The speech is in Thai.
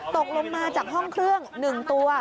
ตกลงมาจากห้องเครื่อง๑ตัว